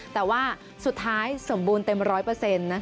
แต่ว่าสุดท้ายสมบูรณ์เต็มร้อยเปอร์เซ็นต์